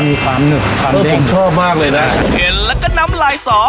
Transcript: มีคำหนึ่งคำเด้งชอบมากเลยน่ะเห็นแล้วก็น้ำไหลสอ